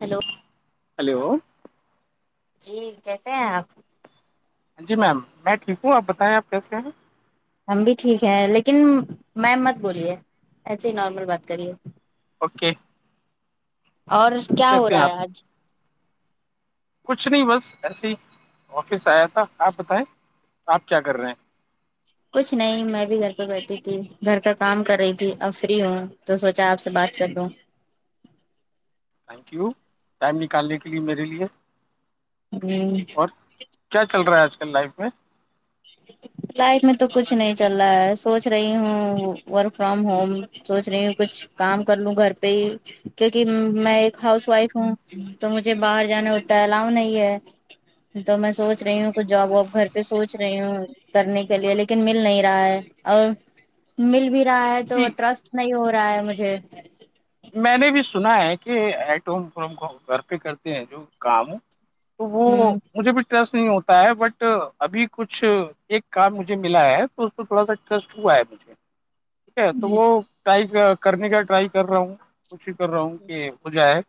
hello hello جی کیسے ہیں آپ جی میم میں ٹھیک ہوں آپ بتائیں آپ کیسے ہیں ہم بھی ٹھیک ہیں لیکن می مت بولیے ایسے ہی نارمل بات کریے اوکے اور کیا ہو کیسے ہیں رہا آپ ہے آج کچھ نہیں بس ایسی آفس آیا تھا آپ بتائیں آپ کیا کر رہے ہیں کچھ نہیں میں بھی گھر پہ بیٹھی تھی گھر کا کام کر رہی تھی افری ہوں تو سوچا آپ سے بات کر لوں تھینک یو ٹائم نکالنے کے لیے میرے لیے ہوں اور کیا چل رہا ہے آج کل لائف میں [inaudible] لائف میں تو کچھ نہیں چل رہا ہے سوچ رہی ہوں ورک فرام ہوم سوچ رہی ہوں کچھ کام کر لوں گھر پہ ہی کیونکہ میں ایک ہاؤس وائف ہوں تو مجھے باہر جانا ہوتا الاؤ نہیں ہے تو میں سوچ رہی ہوں کچ جاب وااب گھر پہ سوچ رہ رہی ہوں کرنے کے لیے لیکن مل نہیں رہا ہے اور مل بھی رہا ہے تو جی ٹرسٹ نہیں ہو رہا ہے مجھے میں نے بھی سنا ہے کہٹ کو گھر پہ کرتے ہیں جو کام ہو تو وہ ہ مجھے بھی ٹرسٹ نہیں ہوتا ہے بٹ ابھی کچھ ایک کام مجھے ملا ہے تو اس پہ تھوڑا سا ٹرسٹ ہوا ہے مجھے ٹھیک ہے تو وہ ٹائی کرنے کا ٹرائی کر رہا ہوں کوشش کر رہا ہوں کہ ہو جائے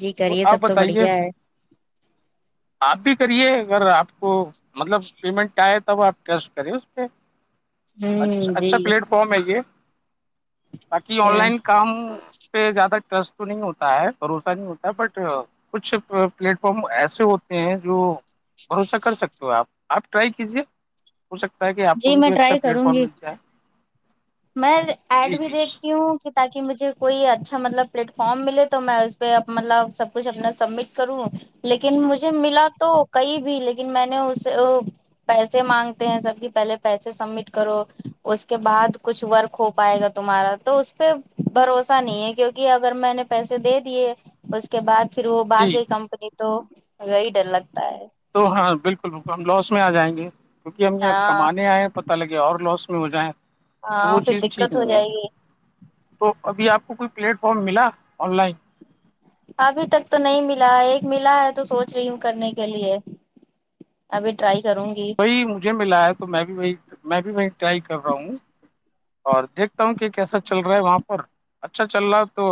جی تو کریے آپ تب بتائیے بڑھیا ہے آپ بھی کریے اگر آپ کو مطلب پیمنٹ آئے تب آپ ٹریسٹ کریں اس پہ ا ہ جی اچھا پلیٹ فارم ہے یہ باق آن لائن کام پہ زیادہ ٹرس تو نہیں ہوتا ہے بھروسہ نہیں ہوتا ہے بٹ کچھ پلیٹ فارم ایسے ہوتے ہیں جو بھروسہ کر سکتے ہو آپ آپ ٹرائی کیجیے ہو سکتا ہے کہ آپ کو جی بھی میں کوئی اچھا ٹرائی پلیٹ کروں فارم گی ملتا ہے میں ایڈ بھی جی دیکھتی ہوں تاکہ مجھے کوئی اچھا مطلب پلیٹ فارم ملے تو میں اس پہ مطلب سب کچھ اپنا سبمٹ کروں لیکن مجھے ملا تو کئی بھی لیکن میں نے اس پیسے مانگتے ہیں سب کی پہلے پیسے سبمٹ کرو اس کے بعد کچھ ورک ہو پائے گا تمہارا تو اس پہ بھروسہ نہیں ہے کیونکہ اگر میں نے پیسے دے دیے اس کے بعد پھر وہ جی باقی کمپنی تو وہی ڈر لگتا ہے تو ہاں بالکل بکل ہم لاس میں آ جائیں گے کیونکہ ہم یہاں ہاں کمانے آئے پ پ لگے اور لاس میں ہو جائیں تو وہ ہاں پھر چیز ٹھیک دقت ہو نہیں ہے جائے گی تو ابھی آپ کو کوئی پلیٹ فارم ملا آن لائن ابھی تک تو نہیں ملا ایک ملا ہے تو سوچ رہی ہوں کرنے کے لیے ابھی ٹرائی کروں گی وہی مجھے ملا ہے تو میں بھی وہی میں بھی وہ ٹرائی کر رہا ہوں اور دیکھتا ہوں کہ کیسا چل رہا ہے وہاں پر اچھا چل رہا تو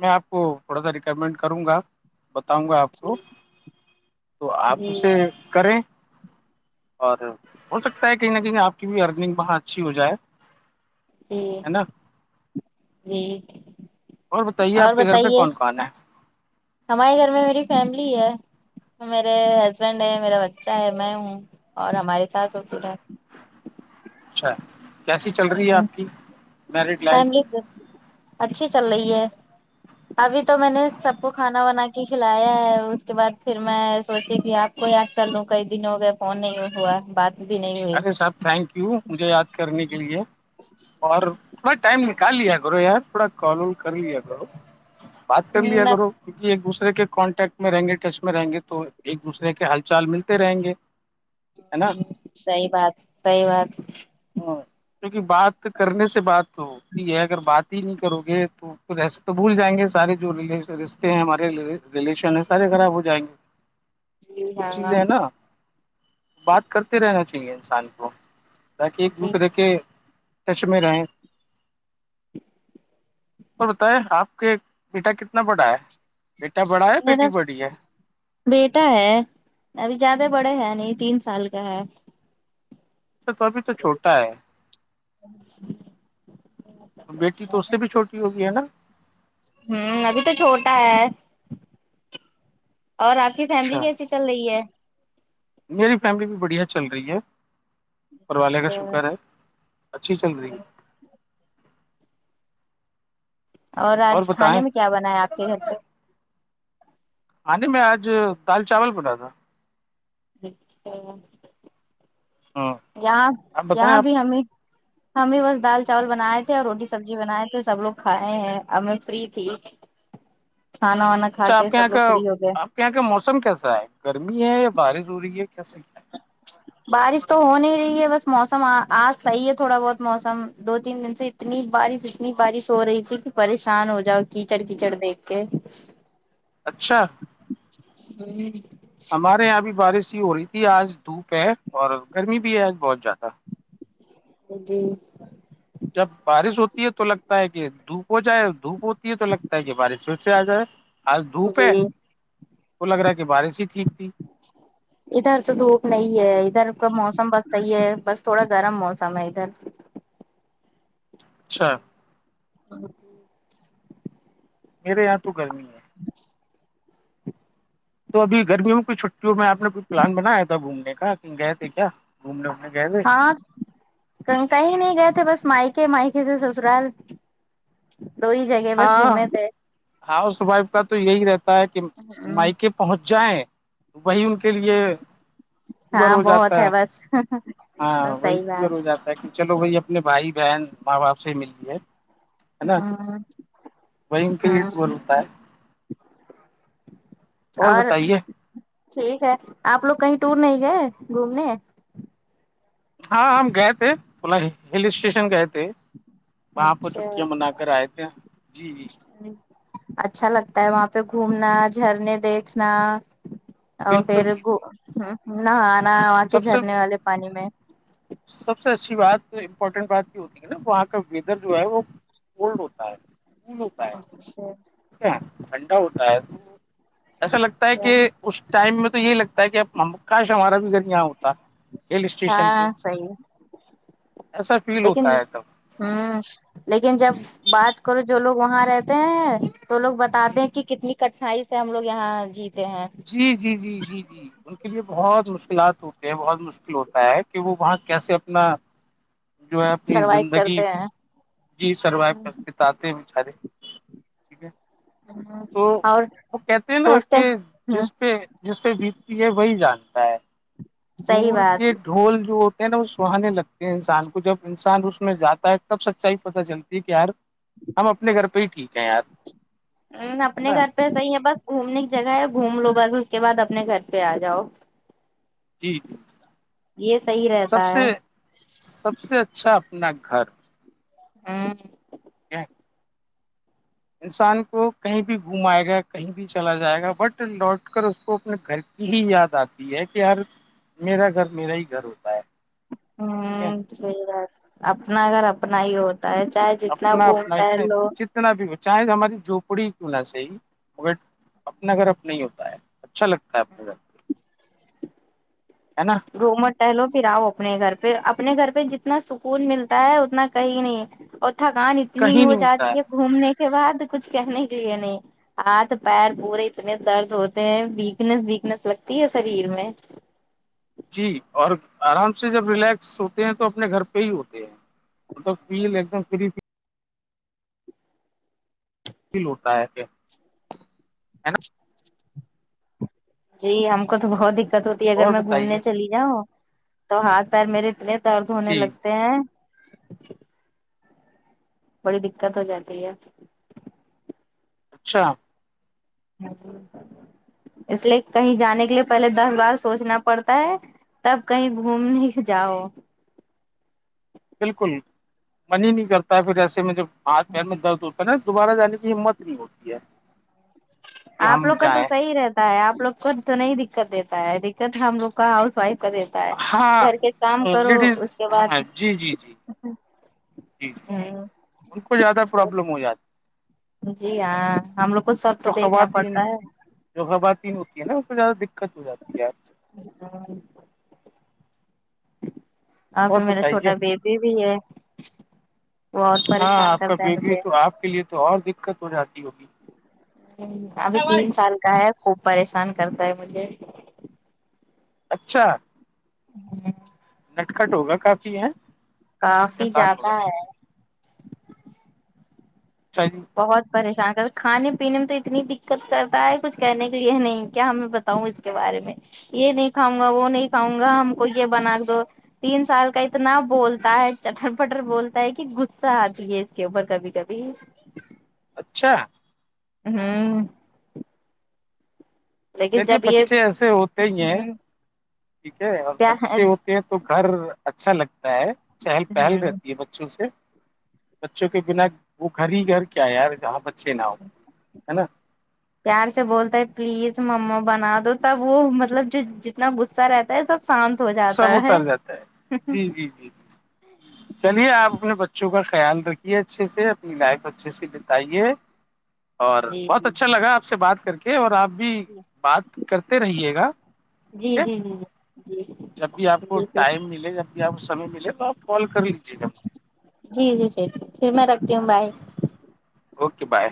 میں آپ کو تھوڑا سا ریکمینڈ کروں گا بتاؤں گا آپ جی کو تو آپ جی اسے کریں اور ہو سکتا ہے کہیں نہ کہیں آپ کی بھی ارننگ باں اچھی ہو جائے جی ہے نا جی اور بتائیے آپ کے گھر پہ کون کون ہے ہمارے گھر میں میری فیملی ہے میرے ہسبینڈ ہے میرا بچہ ہے میں ہوں اور ہمارے ساس ہوتی اچھا کیسی چل رہی ہے آپ کی میرڈ لائف فیملی سے اچھی چل رہی ہے ابھی تو میں نے سب کو کھانا ونا کے کھلایا ہے اس کے بعد پھر میں سوچی کہ آپ کوئی آج کل ن کئی دن ہو گئے فون نہیں ہوا بات بھی نہیں ہوئی ارے صاحب تھینک یو مجھے یاد کرنے کے لیے اور تھوڑا ٹائم نکال لیا کرو یار تھوڑا کال وال کر لیا کرو بات کر لیا ہ کرو کیہ ایک دوسرے کے کانٹیکٹ میں رہیں گے کش میں رہیں گے تو ایک دوسرے کے ہال چال ملتے رہیں گے ہے نا سحی بات صحی بات ہ کیونکہ بات کرنے سے بات تو ہوتی ہے اگر بات ہی نہیں کرو گے تو تو بھول جائیں گے سارے جو رشتے ہیں ہمارے ریلیشن ہے سارے خراب ہو جائیں گے جی ہاں چیزیں ہے نا بات کرتے رہنا چاہیے انسان کو تاکہ ایک جی دوسرے کے ٹچ میں رہیں اور بتائ آپ کے بیٹا کتنا بڑا ہے بیٹا بڑا ہے میرا بیٹی بڑی ہے بیٹا ہے ابھی زیادہ بڑے ہیں نہیں تین سال کا ہے اا تو ابھی تو چھوٹا ہے اچ تو بیٹی تو اس سے بھی چھوٹی ہوگئی ہے نا ہوں ابھی تو چھوٹا ہے اور آپ کی فیملی اچھا کیسی چل رہی ہے میری فیملی بھی بڑھیا چل رہی ہے پر والے کا شکر ہے اچھی چل رہی ہے اور آج کھانے میں کیا بنا ہے آپ کے گھر پہ آ نہیں میں آج دال چاول بلا تھا اچھا ہاں یہاں آپ بتائیں یہاں بھی آپ ہمیں ہم بھی بس دال چاول بنائے تھے اور روٹی سبزی بنائے تھے سب لوگ کھائے ہیں اب ہم میں فری تھی کھانا وانا کھا اچھا کے آپ سب یہاں لوگ کا فری ہو گئے آپ یہاں کا موسم کیسا ہے گرمی ہے یا بارش ہو رہی ہے کیسے کیا ہے بارش تو ہو نہیں رہی ہے بس موسم آج صحیح ہے تھوڑا بہت موسم دو تین دن سے اتنی بارش اتنی بارش ہو رہی تھی کہ پریشان ہو جاؤ کیچڑ کیچڑ دیکھ کے اچھا ہوں ہمارے یہاں بھی بارش ہی ہو رہی تھی آج دھوپ ہے اور گرمی بھی ہے آج بہت زیادہ جی جب بارش ہوتی ہے تو لگتا ہے کہ دھوپ ہو جائے دھوپ ہوتی ہے تو لگتا ہے کہ بارش پھر سے آ جائے آج دھوپ ہے جی تو لگ رہا ہے کہ بارش ہی ٹھیک تھی ادھر تو دھوپ نہیں ہے ادھر کا موسم بس صحیح ہے بس تھوڑا گرم موسم ہے ادھر اچھا ہاں میرے یہاں تو گرمی ہے ہ تو ابھی گرمیوں میں کوئی چھٹیوں میں آپ نے کوئی پلان بنایا تھا گھومنے کا کہ گئے تھے کیا گھومنے وومنے گئے تھے ہاں کہیں نہیں گئے تھے بس مائکے مائکے سے سسرال دو ہی جگہ بس ہاں گھومے تھے ہاؤس وائف کا تو یہی رہتا ہے کہ مائک پہنچ جائیں وہی ان کے لیے ہاں ہو جاتا بہت ہے بس ہاں وہی صحیح اور ہو بات جاتا ہے چلو وہی اپنے بھائی بہن ماں باپ سے ہی ملے ہاں وہ ان کا یہٹ بولتا ہے اور ٹھیک ہے آپ لوگ کہیں ٹور نہیں گئے گھومنے ہاں ہم گئے تھ تلا ہل اسٹیشن گئے تھ ہے وہاں پ اچھا چھٹٹیاں منا کر آئے تھے جی جی اچھا لگتا ہے وہاں پہ گھومنا جھرنے دیکھنا اور بالکل پھر بالکل نہ آنا آ کے سب سے جھرنے والے پانی میں سب سے اچھی بات امپورٹینٹ بات کی ہوتی ہے نا وہاں کا ویدر جو ہے وہ اولڈ ہوتا ہے ہوتا ہے ٹھیک اچھا ٹھنڈا ہوتا ہے تو ایسا لگتا ہے اچھا کہ اس ٹائم میں تو یہی لگتا ہے کہ اب ہم کاش ہمارا بھی گھر یہاں ہوتا ہل اسٹیشن پہ ہاں صحیح ایسا فیل لیکن ہوتا ہے تب ہوں لیکن جب بات کرو جو لوگ وہاں رہتے ہیں تو لوگ بتاتے ہیں کہ کتنی کٹنائی سے ہم لوگ یہاں جیتے تو ہاں جی جی جی جی جی ان کے لیے بہت مشکلات ہوتی ہیں بہت مشکل ہوتا ہے کہ وہ وہاں کیسے اپنا جو ہے اپنی سروائو زندگی کرتے ہیں جی سروائو کر کے تو آتے ہیں بیچارے ٹھیک ہے تو اور وہ کہتے ہیں نا سوچتے کہ ہ جس پہ جس پ سے بیتتی ہے وہی جانتا ہے صحیح دور بات کے ڈھول جو ہوتے ہیں نا وہ سہانے لگتے ہیں انسان کو جب انسان اس میں جاتا ہے تب سچائی پتہ چلتی ہے کہ یار ہم اپنے گھرہ ہی ٹیک ا اپنے گھر پہ صح ہے بس گھومنے کی جگہ ہے گھوم لو بس اس کے بعد اپنے گھر پہ آ جاؤ جی جی یہ صحی سب رہتا ہے سے سب سے اچھا اپنا گھر ہوں کیا انسان کو کہیں بھی گھمائے گا کہیں بھی چلا جائے گا بٹ لوٹ کر اس کو اپنے گھر یہی یاد آتی ہے کہ ہر میرا گھر میرا ہی گھر ہوتا ہے ہ ٹھیک ہے صحیح بات اپنا اگر اپنا ہی ہوتا ہے چاہے جتنا گھومتا ہے لو کتنا بھی ہو چاہے ہماری جھپڑی کی ل سےی ہی مگر اپنا گھر اب نہیں ہوتا ہے اچھا لگتا ہے اپنے گھر نا روومٹ ٹہلو پھر آؤ اپنے گھر پہ اپنے گھر پہ جتنا سکون ملتا ہے اتنا کہیں نہیں اور تھکان اتنی کہیں ہو نہیں ملتا جاتی ہے گھومنے کے بعد کچھ کہنے کے لیے نہیں ہاتھ پیر پورے اتنے درد ہوتے ہیں ویکنیس ویکنیس لگتی ہے شریر میں جی اور آرام سے جب ریلیکس ہوتے ہیں تو اپنے گھر پہ ہی ہوتے ہیں فل ایکم ف ل ہوٹتا ہے کہ جی ہم کو تو بہت دقت ہوتی ہے اگر اور میں گھومنے بتائیے چلی جاؤں تو ہاتھ پیر میرے اتنے درد ہونے جی لگتے ہیں بڑی دقت ہو جاتی ہے اچھا اس لیے کہیں جانے کے لیے پہلے دس بار سوچنا پڑتا ہے تب کہیں گھومنے جاؤ بالکل من ہی نہیں کرتا ہے پھر ایسے میں جب ہاتھ پیر میں درد ہوتا ہے نا دوبارہ جانے کی ہمت نہیں ہوتی ہے کہ آپ ہم لگ کا تو جائیں سحی رہتا آپوگ کو تو نہیں دقت دیتا ہے دقت ہم لوگ کا ہاؤس وائف کا دیتا ہے ہاں گھر کے کام کرو لیڈیز اس کے ہاں بعد جی جی جی جی ج ہ ان کو زیادہ اس کے پرابلم بعد ہو جاتی جی ہاں ہم لوگ کو سب تو جو دیکھنا خواتین پڑتا ہے جو خواتین ہوتی ہیں نا اس کو زیادہ دقت ہو جاتی ہےپ [inaudible] اور پ میرا چھوٹا بیبی بھی ہے بت ہاں پریشان آپ کا کرتا ہے بیبی مجھے تو آپ کے لیے تو اور دقت ہو جاتی ہے ابھی تین سال کا ہے خوب پریشان کرتا ہے مجھے اچھا ہ نٹ کٹ ہوگا کافی ہے ا کافی خاب زیادہ ہوگا ہے سی جی بہت پریشان کر کھانے پینے میں تو اتنی دقت کرتا ہے کچھ کہنے کے لیے نہیں کیا ہمیں ب تا ہوں اس کے بارے میں یہ نہیں کاؤں گا وہ نہیں کھاؤں گا ہم کو یہ بنا دو تین سال کا اتنا بولتا ہے چٹر پٹر بولتا ہے کہ غصہ آتیے اس کے اوپر کبھی کبھی اچھا ہوں لیکن چلیے جب یہ بچے ایسے ہوتے ہی ہیں ہوں ٹھیک ہے اور کیا ہے بچے ہو تو گھر اچھا لگتا ہے چہل پہل ہوں رہتی ہے بچوں سے بچوں کے بنا وہ گھر ہی گھر کیا یار جہاں بچے نہ ہ ہے نا پیار سے بولتا ہے پلیز مما بنا دو تب وہ مطلب جو جتنا غصہ رہتا ہے سب شانت ہو جاتا سب ہے اتر جاتا جی جی جی جی چلیے آپ اپنے بچوں کا خیال رکھیے اچھے سے اپنی لائف اچھے سے بتائیے اور جی بہت جی اچھا لگا آپ سے بات کر کے اور آپ بھی بات کرتے رہیے گا جی ٹھیک ہے جی جی جی جی جب بھی آپ جی کو جی پھر ٹائم ملے جب بھی آپ کو سمے ملے تو آپ کال کر لیجیے گا جی جی پھر پھر میں رکھتی ہوں باہ اوکے بائے